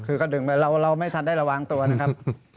คือก็ดึงไปเราไม่ทันได้ระวังตัวนะครับ